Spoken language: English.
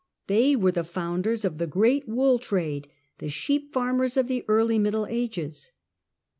They were the founders of the great wool trade, the sheep farmers of the early Middle Ages.